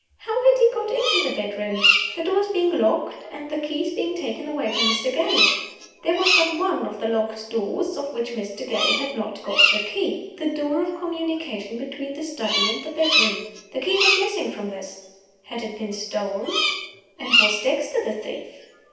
How had he got into the bedroom the doors being locked, and the keys being taken away by Mr. Gale? There was but one of the locked doors of which Mr. Gale had not got the key the door of communication between the study and the bedroom. The key was missing from this. Had it been stolen? And was Dexter the thief?